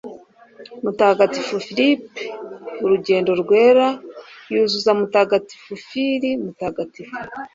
Mutagatifu Frip Urugendo Rwera Yuzuza Mutagatifu Filly Mutagatifu